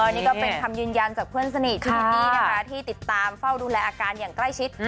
นี่ก็เป็นคำยืมยันจากเพื่อนสนิทที่ติดตามเฝ้าดูแลอาการอย่างใกล้คิด